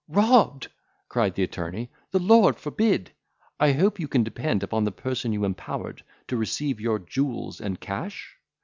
"Robbed!" cried the attorney, "the Lord forbid! I hope you can depend upon the person you empowered to receive your jewels and cash?